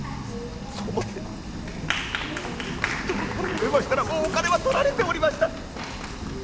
そう思って懐あらためましたらもうお金はとられておりました！